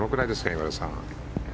今田さん。